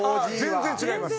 全然違います。